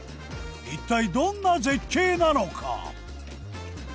一体どんな絶景なのか？